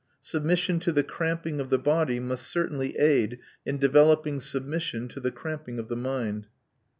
Submission to the cramping of the body must certainly aid in developing submission to the cramping of the mind.